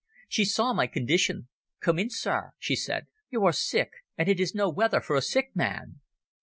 She saw my condition. "Come in, sir," she said. "You are sick and it is no weather for a sick man."